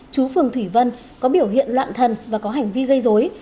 chú phường thủy vân có biểu hiện loạn thần và có hành vi gây dối